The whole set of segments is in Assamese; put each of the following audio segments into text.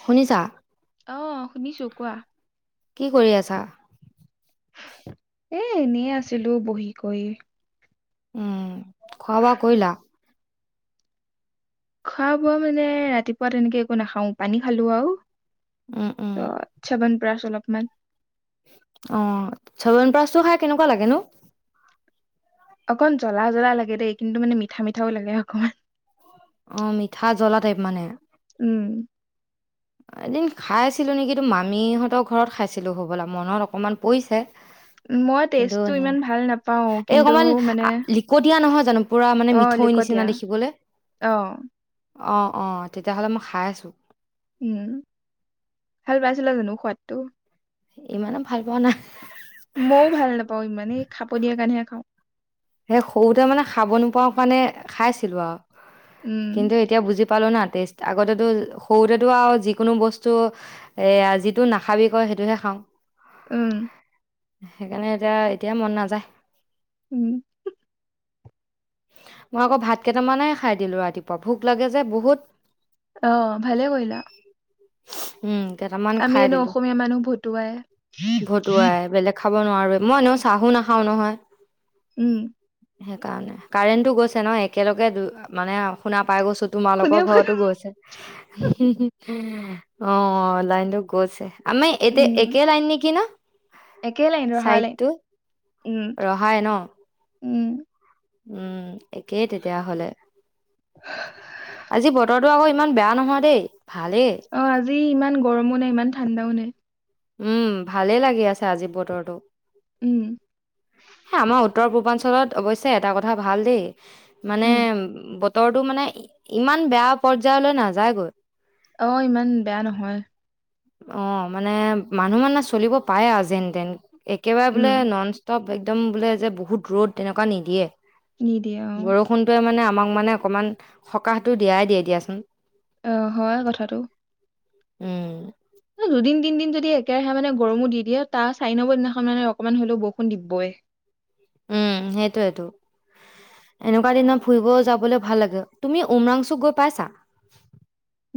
শুনিছাঁ অ শুনিছোঁ কোৱা? কি কৰি আছা? এ এনেই আছিলোঁ বহি কৰি। উম, খোৱা বোৱা কৰিলা? খোৱা বোৱা মানে ৰাতিপুৱা তেনেকে একো নাখাওঁ, পানী খালো আৰু উম উম ছবন প্ৰাছ অলপমান। অ' ছৱন প্ৰাছতো খাই কেনেকুৱা লাগে নো? অকন জ্বলা জ্বলা লাগে দেই কিন্তু মানে মিঠা মিঠাও লাগে অকমান। অ' মিঠা জ্বলা টাইপ মানে। উম। এদিন খাইছিলো নেকি মামিহঁতৰ ঘৰত খাইছিলো হ'বলা মনত অকমান পৰিছে। মই কিন্তু টেষ্টটো এ ইমান ভাল নাপাও এই কিন্তু অকমান মানে লিকটিয়া নহয় জানো। পুৰা মানে অ মিঠৈ নিচিনা লিকটীয়া দেখিবলে, অ অ' অ' তেতিয়াহ'লে মই খাইছোঁ। উম, ভাল পাইছিলা জানো সোৱাদটো? ইমানো ভাল পোৱা নাই। মও ভাল নাপাওঁ ইমানে এই খাব দিয়া কাৰণেহে খাওঁ। সেই সৰুতে মানে খাব নোপোৱাৰ কাৰণে খাইছিলো আৰু। উম কিন্তু এতিয়া বুজি পালো না তেইছ আগতেতো সৰুতেতো আৰু যিকোনো বস্তু এয়া যিটো নাখাবি কয় সেইটোহে খাওঁ। উম। সেইকাৰণে এতিয়া এতিয়া মন নাযায়। উম। মই আকৌ ভাত কেইটামানে খাই দিলো, ৰাতিপুৱা ভোক লাগে যে বহুত। অ' ভালে কৰিলা। উম, কেইটামান আমি খাই এনে দিলো, অসমীয়া মানুহ ভতুৱাই ভতুৱাই বেলেগ। খাব নোৱাৰোয়ে, মই এনেও চাহো নাখাওঁ নহয়। উম। সেইকাৰণে কাৰেণ্টটো গৈছে ন, একেলগে দু মানে শুনা পাই গৈছো, শুনিও তোমালোকৰ ঘৰতো গৈছে। অ' লাইনটো গৈছে। আমি এতিয়া উম একে লাইন নেকি না? একে লাইন ৰহা লাইন। উম ৰহাই ন? উম উম, একেই তেতিয়াহলে। আজি বতৰ টো আকৌ ইমান বেয়া নহয় দেই ভালেই। অ' আজি ইমান গৰমো নাই ইমান ঠাণ্ডাও নাই। উম, ভালেই লাগি আছে আজি বতৰটো। উম এ আমাৰ উত্তৰ-পূৰ্বাঞ্চলত অৱশ্যে এটা কথা ভাল দেই। মানে উম বতৰটো মানে ইমান বেয়া পৰ্যায়লৈ নাযায় গৈ। অ' ইমান বেয়া নহয়। অ' মানে মানুহ মানে চলিব পাৰে আৰু যেন তেন, একেবাৰে উম বোলে নন একদম বোলে যে বহুত ৰ'দ তেনেকুৱা নিদিয়ে। নিদিয়ে অ'। বৰষুণটোৱে মানে আমাক মানে অকমান সকাহটো দিয়াই দিয়ে দিয়াচোন। অ' হয় কথাটো। উম। দুদিন-তিনদিন যদি একেৰাহে মানে গৰমো দি দিয়ে তাৰ চাৰি নম্বৰ দিনাখন মানে অকমান হলেও বৰষুণ দিবই। উম, সেইটোৱেইটো। এনেকুৱা দিনত ফুৰিব যাবলৈ ভাল লাগে। তুমি উমৰাংচুক গৈ পাইছা?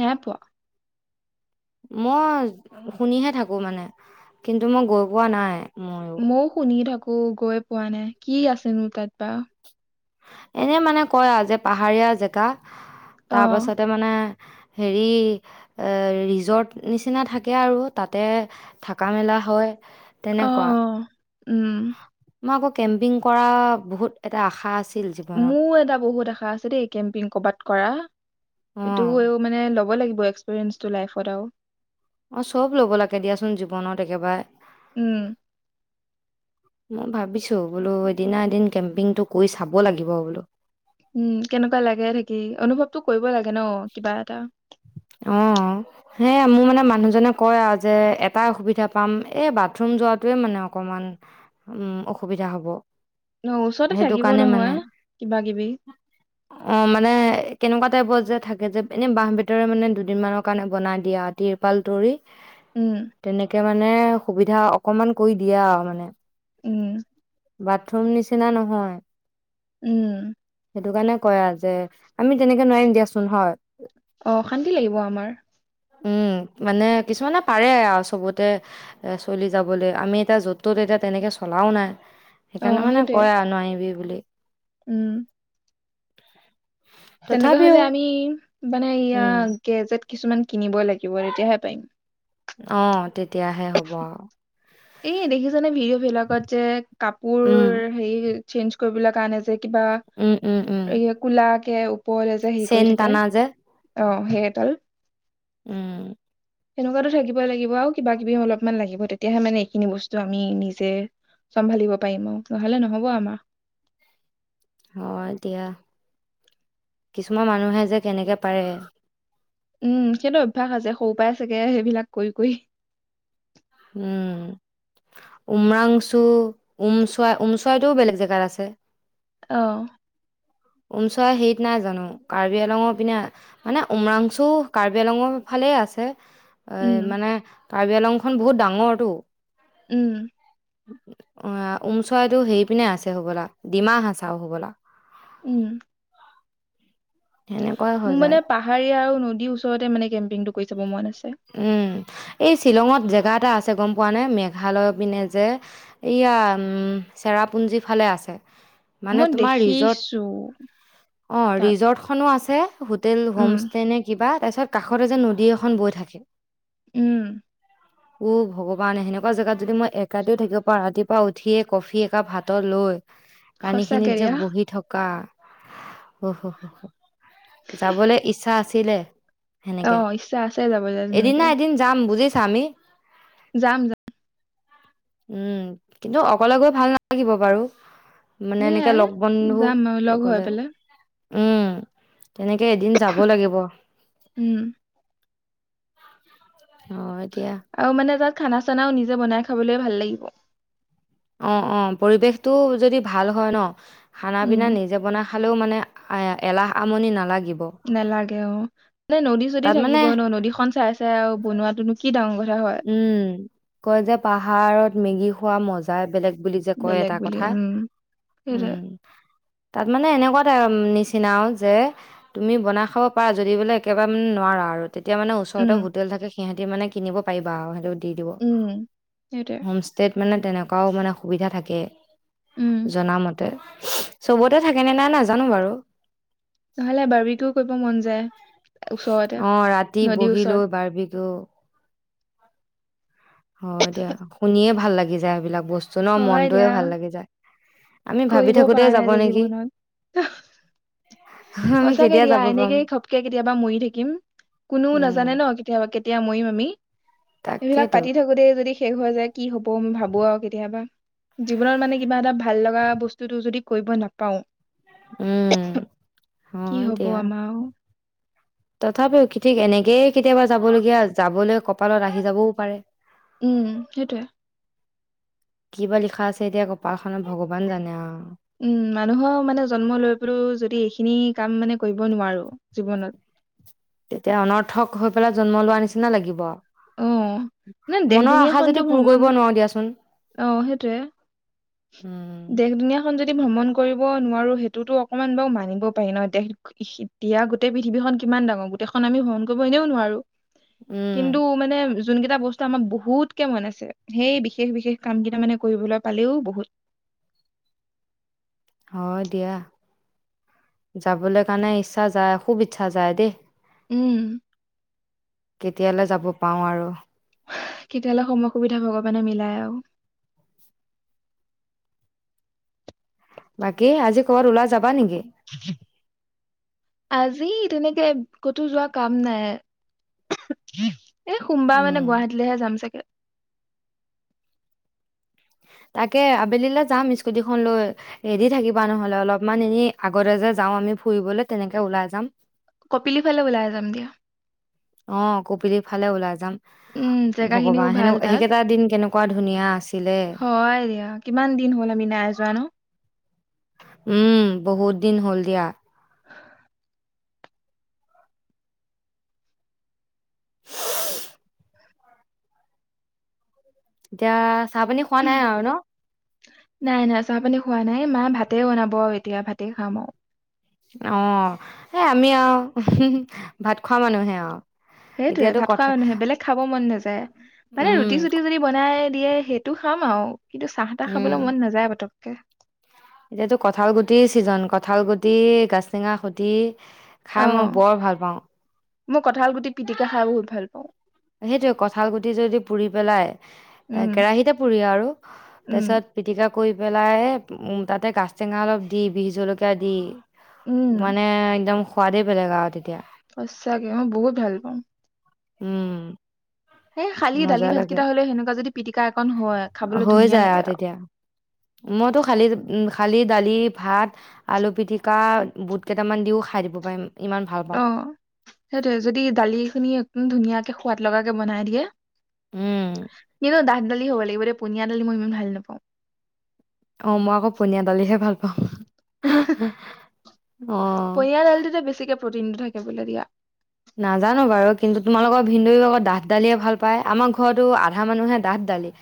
নাই পোৱা। মই শুনিহে থাকো মানে কিন্তু মই গৈ পোৱা নাই মোৰ। মইও শুনি থাকো গৈ পোৱা নাই কি আছেনো তাত বা? এনে মানে কয় আও যে পাহাৰীয়া জেগা অ তাৰ পাছতে মানে মানে হেৰি ৰিজৰ্ট নিচিনা থাকে আৰু তাতে থাকা মেলা হয়। অ তেনেকুৱা। অ উম মই আকৌ কেম্পিং কৰা বহুত এটা আশা আছে। মোও এটা বহুত আশা আছে দেই কেম্পিং কৰবাত কৰা। অ এইটো আৰু মানে ল'ব লাগিব এক্সপিৰিয়েঞ্চটো লাইফত আৰু অঁ চব ল'ব লাগে দিয়াচোন জীৱনত একেবাৰে। উম। মই ভাবিছোঁ বোলো এদিনা এদিন কেম্পিংটো কৰি চাব লাগিব বোলো। উম কেনেকুৱা লাগে থাকি অনুভৱতটো কৰিব লাগে ন কিবা এটা অ। হে মোৰ মানে মানুহজনে কয় আৰু যে এটাই অসুবিধা পাম। এই বাথৰুম যোৱাটোৱে মানে অকমান। উম অসুবিধা হ'ব। অহ ওচৰতে সেইটো থাকিব কাৰণে মানে নহয় কিবা কিবি। অ মানে কেনেকুৱা টাইপৰ যে থাকে যে এনে বাঁহ বেত ৰে মানে দুদিনমানৰ কাৰণে বনাই দিয়া আটিৰ তৃপাল তৰি উম তেনেকে মানে সুবিধা অকমান কৰি দিয়া আ মানে। উম। বাথৰুম নিচিনা নহয়। উম। সেইটো কাৰণে কয় যে আমি তেনেকে নোৱাৰিম দিয়াচোন হয়? অশান্তি লাগিব আমাৰ। উম মানে কিছুমানে পাৰে আৰু চবতে চলি যাবলৈ। আমি এতিয়া য'ত ত'ত এতিয়া তেনেকৈ চলাও নাই। অ সেইকাৰণে মানে সেইটোৱে কয় আৰু নোৱাৰিবি বুলি। উম। [unintelligible] তেনেকোৱা তথাপিও হলে আমি মানে ইয়া উম গেজেট কিছুমান কিনিব লাগিব তেতিয়াহে পাৰিম। অ তেতিয়াহে হ'ব আৰু এই দেখিছানে ভিডিঅ' বিলাকত যে কাপোৰ উম, হেৰি চেঞ্জ কৰিবলৈ কাৰণে যে কিবা উম, উম, উম। এই কোলাকে ওপৰলে যে হেৰি চেন কৰি থাকে টানা যে আহ সেই এডাল উম, সেনেকোৱাতো থাকিব লাগিব আৰু কিবা কিবি অলপমান লাগিব তেতিয়াহে মানে সেইখিনি বস্তু আমি নিজে চম্ভালিব পাৰিম আৰু নহলে নহব আমাৰ। অ এতিয়া। কিছুমান মানুহে যে কেনেকে পাৰে। উম সেইটো অভ্যাস আছে সৰু পৰাই চাগে সেইবিলাক কৰি কৰি উম উমৰাংচু, ওমচৰাই ওমচৰাইটোও বেলেগ জেগাত আছে। অঁ। উমচৰা হেৰিত নাই জানো কাৰ্বি আলঙৰ পিনে [unintelligible] মানে উমৰাংচু কাৰ্বি আলঙৰ ফালে আছে। এ উম, মানে কাৰ্বি আলংখন বহুত ডাঙৰটো। উম' অ' ওমচৰাইটো হেৰি পিনে আছে হ'বলা, ডিমাহাচাও হ'বলা। উম তেনেকুৱাই হৈ যায়। পাহাৰী আৰু নদীৰ ওচৰতে মানে কেম্পিং টো কৰি চাব মন আছে। উম, এই শ্বিলঙত জেগা এটা আছে গম পোৱা নে, মেঘালয় পিনে যে এইয়া চেৰাপুঞ্জী ফালে আছে। মানে মই তোমাৰ ৰিজৰ্ট দেখিছো অ' তাত ৰিজৰ্টখনো আছে, হোটেল হোম উম, ষ্টে নে কিবা, তাৰপিছত কাষতে যে নদী এখন বৈ থাকে [inaudible] উম [inaudible] উ ভগৱান, সেনেকুৱা জেগাত যদি মই এক ৰাতিও থাকিব পাৰায়, ৰাতিপুৱা উঠিয়ে কফি একাপ হাতত লৈ পানী খিনিত সঁচাকে যে দিয়া বহি থকা! উহ, উহ, উহ, উহ যাবলৈ ইচ্ছা আছিলে সেনেকে। অ', ইচ্ছা আছে যাবলৈ। এদিন তেনেকে না এদিন যাম বুজিছা আমি? যাম যা উম, কিন্তু অকলে গৈ ভাল নালাগিব বাৰু। মানে এনেকে সেয়াই লগ বন্ধু যাম আৰু লগ হৈ লৈগলে। পেলাই উম, তেনেকে এদিন যাব লাগিব। উম। অ' এতিয়া আৰু মানে তাত খানা চানাও নিজে বনাই খাবলৈ ভাল লাগিব। অ', অ' পৰিৱেশটো যদি ভাল হয় ন, খানা উম। পিনা নিজে বনাই খালেও মানে এলাহ আমনি নালাগিব। নালাগে অ'। মানে নদী চদি তাত মানে থাকিব ন, নদীখন চাই চাই আৰু বনোৱাতোনো কি ডাঙৰ কথা হয় উম, কয় যে পাহাৰত মেগী খোৱা মজ জাই বেলেগ বুলি যে কয় বেলেগ এটা বুলি কথা, উম সেইটোৱে উম তাত মানে এনেকুৱা টা নিচিনাও যে তুমি বনাই খাব পাৰা, যদি বোলে একেবাৰে মানে নোৱাৰা আৰু তেতিয়া মানে ওচৰতে উম হোটেল থাকে, সিহঁতি মানে কিনিব পাৰিবা আও, সেইটো দি দিব। উম সেইটোৱে হোম ষ্টেত মানে তেনেকুৱাও মানে সুবিধা থাকেই। উম জনা মতে, চবতে থাকেনে নাই নাজানোঁ বাৰু নহ'লে বাৰ্বিটোও কৰিব মন যায়। ওচৰতে অ', ৰাতি নদীৰ বহি ওচৰত লৈ বাৰ্বিটোও হয় দিয়া, শুনিয়ে ভাল লাগি যায় এইবিলাক বস্তু ন, হয় মনটোযৱে দিয়া ভাল লাগি যায়। আমি ভাবি কৰিব থাকোতে পাৰা যাব নাই যে নেকি জীৱনত। আমি সঁচাকে কেতিয়া দিয়া, যাব পাম এনেকে ঘপকে কেতিয়াবা মৰি থাকিম, কোনেও উম নাজানে ন কেতিয়াবা কেত তিয়া মৰিম আমি, সেইবিলাক তাকেতো পাতি থাকো যদি শেষ হৈ যায়, কি হ'ব মই ভাবোঁ আৰু কেতিয়াবা। জীৱনত মানে কিবা এটা ভাল লগা বস্তুটোও যদি কৰিব নাপাওঁ উম কি হয় হব দিয়া আমাৰ আও তথাপিও কি ঠিক এনেকেই কেতিয়াবা যাব লগীয়া, যাবলৈ কপালত আহি যাবও পাৰে! উম সেইটোয়ে কি বা লিখা আছে এতিয়া কপাল খনত ভগৱান জানে আৰু। উম', মানুহৰ মানে জন্ম লৈ পেলওঁ যদি এইখিনি কাম মানে কৰিব নোৱাৰো জীৱনত। তেতিয়া অনৰ্থক হৈ পেলাই জন্ম লোৱাৰ নিচিনা লাগিব। অ মানে দেশ মনৰ আশা দুুনীয়াখনতো যদি পূৰ ভ্ৰমণ কৰিব নোৱাৰো দিয়াচোন। অ', সেটোৱে। উম দেশ দুনীয়াখনন যদি ভ্ৰমণ কৰিব নোৱাৰো, সেইটোতো অকনমান বাৰু মানিব পাৰি ন'। দেশ এতিয়া গোটেই পৃথিৱীখন কিমান ডাঙৰ, গোটেইখন আমি ভ্ৰমণ কৰিব এনেওঁ নোৱাৰো। উম কিন্তু মানে যোন কেইটা বস্তু আমাক বহুতকে মন আছে, সেই বিশেষ বিশেষ কাম কেইটা মানে কৰিবলৈ পালেওঁ বহুত। হয়', দিয়া, যাবলৈ কাৰণে ইচ্ছা যায় খুব ইচ্ছা যায় দেই। উম',। কেতিয়ালৈ যাব পাওঁ আৰু। কেতিয়ালৈ সময় সুবিধা ভগৱানে মিলায় আৰু। বাকী আজি ক'ৰবাত ওলাই যাবা নেকি? আজি তেনেকে ক'তো যোৱা কাম নাই। এই সোমবাৰ উম মানে গুৱাহাটীলৈহে যাম চাগে। তাকে আবেলিলৈ যাম স্কুটিখন লৈ। ৰেডি থাকিবা নহ'লে অলপমান, এনেই আগতে যে যাও আমি ফুৰিবলে তেনেকে ওলাই যাম। কপিলি ফালে ওলাই যাম দিয়া। অ', কপিলি ফালে ওলাই যাম। উম জেগা খিনিও ভগৱান সেনেক ভাল তাত সেইকেইটা দিন কেনেকুৱা ধুনীয়া আছিলে। হয়', দিয়। কিমান দিন হ'ল আমি নাই যোৱা ন'? উম', বহুত দিন হ'ল দিয়া। এতিয়া চাহ পানী খোৱা নাই আৰু ন'? নাই- নাই চাহ পানী খোৱা নাই, মা ভাতেই বনাব আৰু এতিয়া ভাতেই খাম আৰু। অ', এ' আমি আৰু ভাত খোৱা মানুহে আৰু। সেইটোৱয়ে এতিয়াতো ভাত খোৱা কথা মানুহে বেলেগ খাব মন নাযায়, মানে উম, ৰুটি-চুটি যদি বনাই দিয়ে সেইটো খাম আৰু, কিন্তু চাহ-তাহ উম, খাবলৈ মন নাযায় পতককে। এইটো কঁঠাল গুটিৰ ছিজন, কঠাল গুটি গাছটঙা খুতি অ খাই মই বৰ ভাল পাওঁ। মই কঁঠাল গুটি পিটিকা খাই বহুত ভাল পাওঁ। সেইটোয়ে কঠাল গুটি যদি পুৰি পেলাই, এ' উম কেৰাহিতে পুৰি আৰু তাৰ উম পিছত পিটিকা কৰি পেলাই, তাতে গাছটেঙা অলপ দি বিষ জলকীয়া দি উম মানে একদম সোৱাদে বেলেগ আৰু তেতিয়া। সঁচাকে মই বহুত ভাল পাওঁ। উম',। সেই শালি মজা দালি লাগে ভাতকেইটা হ'লে সেনেকুৱা যদি পিটিকা অকন হয়। খাবলৈ হৈ ধুনীয়া যায় লাগে আৰু। তেতিয়া। মইতো খালী- খালী দালি, ভাত আলু পিটিকা বুট কেইটামান দিওঁ খাই দিব পাৰিম। ইমান ভাল পাওঁ অ', সেইটয়ে যদি দালি খিনি একদম ধুনীয়াকে সোৱাদ লগা কে বনাই দিয়ে। উম এ' ন' ডাঠ দালি হ'ব লাগিব, দে পনীয়া দালি মই ইমান ভাল নাপাওঁ। অ' মই আকৌ পনীয়া দালিহে ভাল পাওঁ। অ পনীয়া দালটোতে বেছিকে প্ৰটিনটো থাকে বোলে দিয়া। নাজানো বাৰু, কিন্তু তোমালৰ ভন্দই অক ডাঠ দালিয়ে ভাল পাই আমাৰ ঘৰতো আধা মানুহে ডাঠ দালি,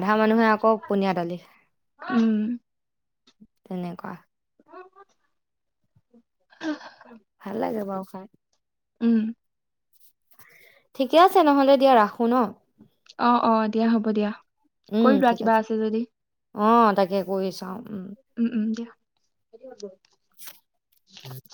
আধা মানুহে আকৌ পনীয়া দালি। উম। তেনেকুৱা। [inaudible] ভাল লাগে বাৰু খায়। উম। ঠিকে আছে নহ'লে দিয়া ৰাখোঁ ন'! অ', অ', দিয়া হ'ব দিয়া। উম কৰি লোৱা ঠিক কিবা আছে যদি অ তাকে কৰি চাওঁ উম উম, উম, দিয়া। [unintelligible] [inaudible]